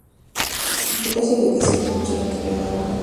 Completó su educación y cursó la carrera de abogado.